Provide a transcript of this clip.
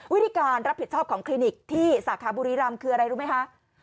วิธีการรับผิดชอบของคลินิกที่สาขาบุรีรำคืออะไรรู้ไหมคะ